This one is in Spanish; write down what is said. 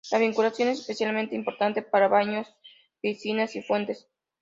La vinculación es especialmente importante para baños, piscinas y fuentes.